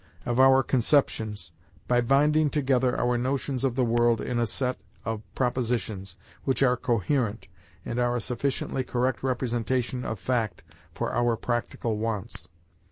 of our conceptions, by binding together our notions of the world in a set of propositions, which are coherent, and are a sufficiently correct representation of fact for our practical wants.